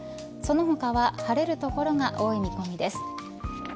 その他は晴れる所が多い見込みです。